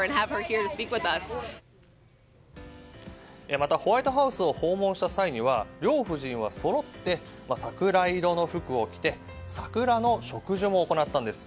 また、ホワイトハウスを訪問した際には両夫人はそろって桜色の服を着て桜の植樹も行ったんです。